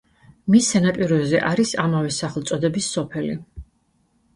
მის სანაპიროზე არის ამავე სახელწოდების სოფელი.